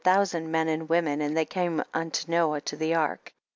thousand men and women, and they came unto Noah to the ark.